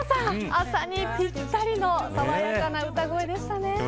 朝にぴったりの爽やかな歌声でしたね。